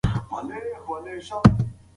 ما په خپلو سترګو یوه عجیبه لوبه ولیده.